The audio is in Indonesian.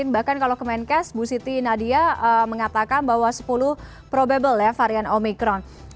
bahkan kalau kemenkes bu siti nadia mengatakan bahwa sepuluh probable ya varian omikron